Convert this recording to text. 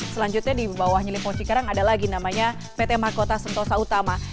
selanjutnya di bawahnya lipo cikarang ada lagi namanya pt makota sentosa utama